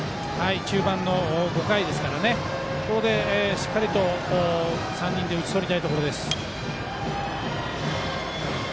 中盤の５回ですからここでしっかりと３人で打ち取りたいところです。